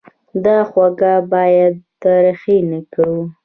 دا خوږه باید تریخه نه کړو.